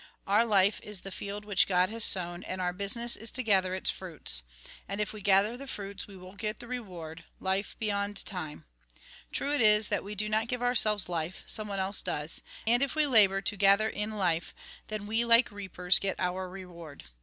Our life is the field which God has sown, and our business is to gather its fruits. And if we gather the fruits, we get the reward, life be yond time. True it is, that we do not give ourselves life; someone else does. And if we labour to gather in life, then we, like reapers, get our reward.